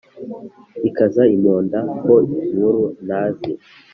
ikaza imponda ho inkuru ntazi